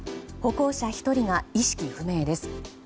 歩行者１人が意識不明です。